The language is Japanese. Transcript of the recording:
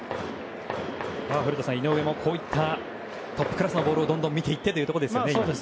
古田さん、井上もこういったトップクラスのボールをどんどん見ていってというところですね。